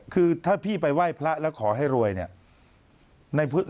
คือถ้าพี่ไปไหว้พระแล้วขอให้รวยเนี่ย